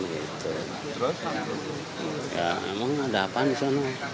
emang ada apaan di sana